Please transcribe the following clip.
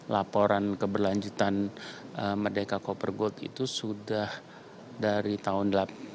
laporan keberlanjutan merdeka coppergold itu sudah dari tahun dua ribu delapan belas